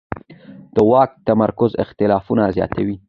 د واک تمرکز اختلافونه زیاتوي